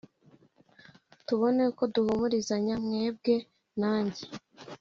tubone uko duhumurizanya mwebwe nanjye